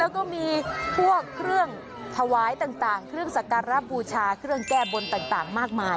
แล้วก็มีพวกเครื่องถวายต่างเครื่องสักการะบูชาเครื่องแก้บนต่างมากมาย